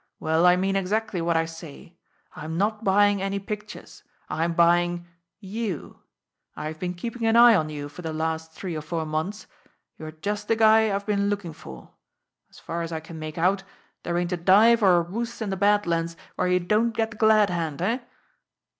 "Well, I mean exactly what I say. I'm not buying any pictures, I'm buying you. I have been keeping an eye on you for the last three or four months. You're just the guy I've been looking for. As far as I can make out, there ain't a dive or a roost in the Bad Lands where you don't get the glad hand eh?"